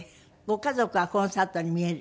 ご家族がコンサートに見える？